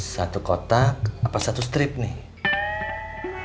satu kotak apa satu strip nih